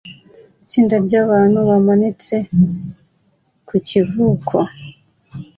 Itsinda ryabantu bamanitse ku kivuko